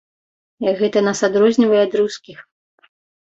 Гэта нас адрознівае ад рускіх.